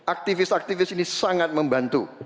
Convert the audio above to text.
aktivis aktivis ini sangat membantu